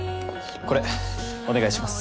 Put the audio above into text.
これお願いします。